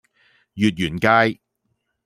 月園街